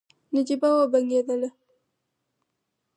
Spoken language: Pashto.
نجيبه وبنګېدله.